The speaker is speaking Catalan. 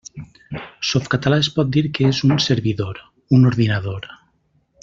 Softcatalà es pot dir que és un servidor, un ordinador.